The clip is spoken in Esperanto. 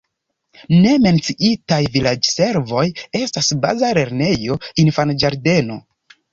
Ne menciitaj vilaĝservoj estas baza lernejo, infanĝardeno.